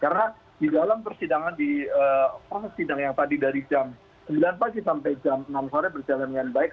karena di dalam proses sidang yang tadi dari jam sembilan pagi sampai jam enam sore berjalan dengan baik